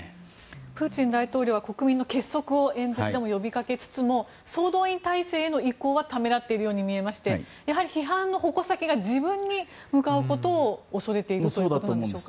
プーチン大統領は国民の結束を演説で呼びかけつつも総動員体制への移行はためらっているように見えまして批判の矛先が自分に向かうことを恐れているということなんでしょうか。